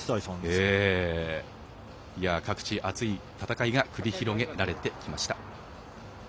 各地、熱い戦いが繰り広げられてきました。